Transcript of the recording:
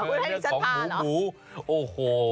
เรื่องของหมูหมูโอ้โห